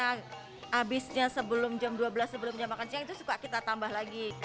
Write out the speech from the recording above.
habisnya sebelum jam dua belas sebelumnya makan siang itu suka kita tambah lagi